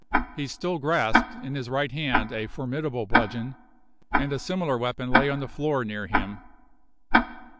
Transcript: He still grasped in his right hand a formidable bludgeon, and a similar weapon lay on the floor near him.